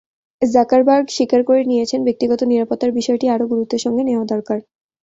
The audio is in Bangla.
জাকারবার্গ স্বীকার করে নিয়েছেন, ব্যক্তিগত নিরাপত্তার বিষয়টি আরও গুরুত্বের সঙ্গে নেওয়া দরকার।